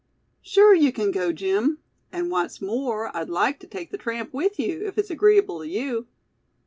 "Sure you can go, Jim; and what's more, I'd like to take the tramp with you, if it's agreeable to you!"